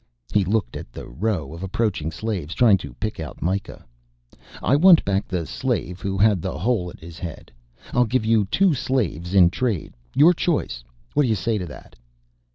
He looked at the row of approaching slaves, trying to pick out Mikah. "I want back the slave who had the hole in his head. I'll give you two slaves in trade, your choice. What do you say to that?"